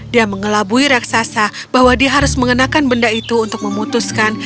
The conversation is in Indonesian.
dia mengelabui raksasa bahwa dia harus mengenakan benda itu untuk memutuskan